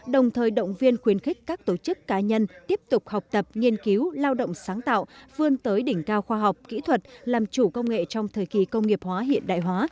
đồng thời động viên khuyến khích các tổ chức cá nhân tiếp tục học tập nghiên cứu lao động sáng tạo vươn tới đỉnh cao khoa học kỹ thuật làm chủ công nghệ trong thời kỳ công nghiệp hóa hiện đại hóa